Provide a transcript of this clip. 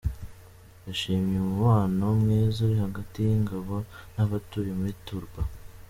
Yashimye umubano mwiza uri hagati y’ingabo n’abatuye muri Turba.